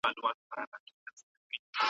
دوکه کول د انسان شخصيت ته زيان رسوي.